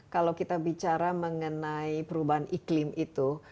kalau kita bicara mengenai perubahan iklim itu